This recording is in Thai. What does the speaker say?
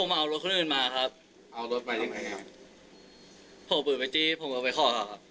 ผมเอารถคนอื่นมาครับเอารถมายังไงครับโผล่ปืนไปจี้ผมก็ไปคอก่ะครับ